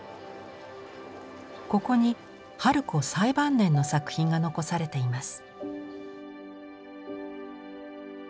ここに春子最晩年の作品が残されています。